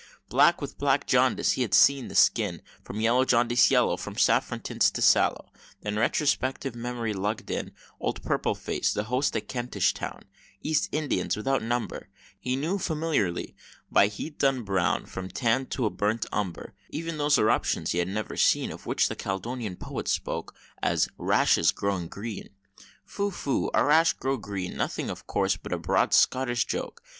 Black with Black Jaundice he had seen the skin; From Yellow Jaundice yellow, From saffron tints to sallow; Then retrospective memory lugg'd in Old Purple Face, the Host at Kentish Town East Indians, without number, He knew familiarly, by heat done Brown, From tan to a burnt umber, Ev'n those eruptions he had never seen Of which the Caledonian Poet spoke, As "rashes growing green" "Phoo! phoo! a rash grow green! Nothing of course, but a broad Scottish joke!"